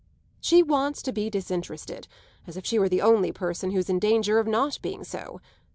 She wants to be disinterested: as if she were the only person who's in danger of not being so!